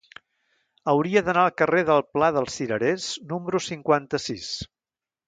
Hauria d'anar al carrer del Pla dels Cirerers número cinquanta-sis.